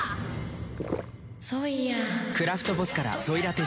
ソイヤクラフトボスから「ソイラテ」